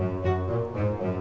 yang planknya nggak di lembang